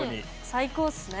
最高っすね。